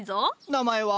名前は？